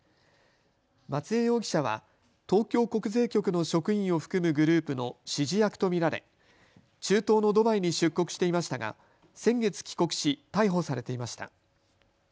松江容疑者は東京国税局の職員を含むグループの指示役と見られ中東のドバイに出国していましたが先月帰国し逮捕されていました。